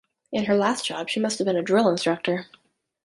In her last job she must have been a drill-instructor!